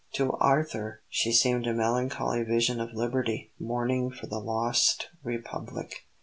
To Arthur she seemed a melancholy vision of Liberty mourning for the lost Republic.